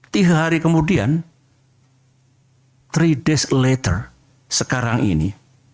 tiga hari kemudian three days later sekarang ini